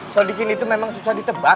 sadikin itu memang susah ditebak